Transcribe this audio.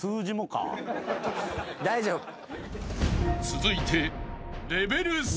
［続いて］